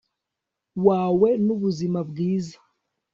wawe nu buzima bwiza